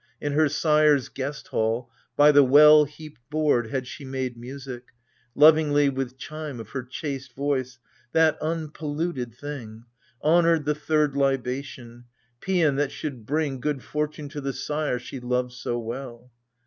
In her sire's guest hall, by the well heaped board Had she made music, — lovingly with chime Of her chaste voice, that unpolluted thing, Honoured the third libation, — paian that should bring Good fortune to the sire she loved so well.